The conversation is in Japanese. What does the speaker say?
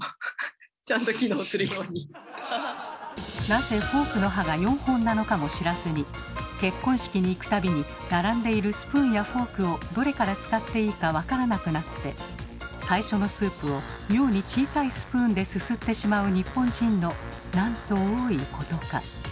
なぜフォークの歯が４本なのかも知らずに結婚式に行く度に並んでいるスプーンやフォークをどれから使っていいか分からなくなって最初のスープを妙に小さいスプーンですすってしまう日本人のなんと多いことか。